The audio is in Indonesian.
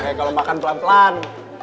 oke kalau makan pelan pelan